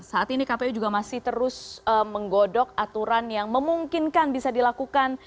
saat ini kpu juga masih terus menggodok aturan yang memungkinkan bisa dilakukan